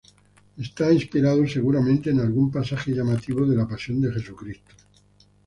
Está inspirado seguramente en algún pasaje llamativo de la pasión de Jesucristo.